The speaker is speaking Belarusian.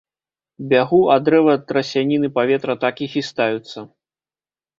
Бягу, а дрэвы ад трасяніны паветра так і хістаюцца.